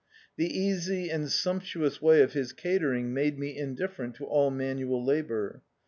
TTie easy and sumptuous way of his catering made me indifferent to all manual labour.